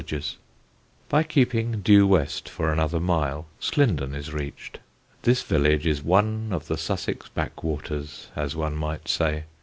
[Sidenote: SLINDON] By keeping due west for another mile Slindon is reached. This village is one of the Sussex backwaters, as one might say.